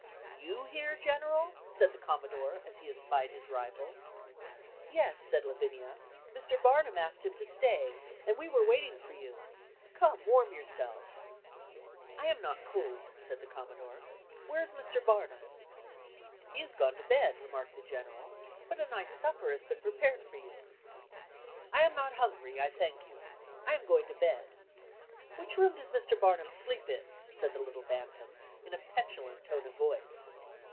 "You here, General?" said the Commodore, as he espied his rival. "Yes," said Lavinia, "Mr. Barnum asked him to stay, and we were waiting for you; come, warm yourself." "I am not cold," said the Commodore; "where is Mr. Barnum?" "He has gone to bed," remarked the General, "but a nice supper has been prepared for you." "I am not hungry, I thank you; I am going to bed. Which room does Mr. Barnum sleep in?" said the little bantam, in a petulant tone of voice.